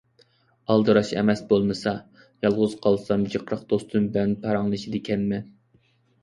ئالدىراش ئەمەس بولمىسا. يالغۇز قالسام جىقراق دوستۇم بىلەن پاراڭلىشىدىكەنمەن.